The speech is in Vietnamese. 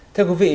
thưa quý vị